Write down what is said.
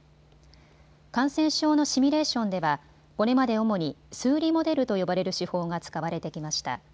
感染症のシミュレーションではこれまで主に数理モデルと呼ばれる手法が使われてきました。